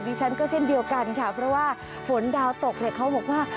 ฉันก็เช่นเดียวกันค่ะเพราะว่าฝนดาวตกเนี่ยเขาบอกว่า